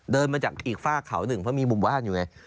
เดินมาจากอีกฝากเขาหนึ่งเพราะมีหมู่บ้านอยู่ไง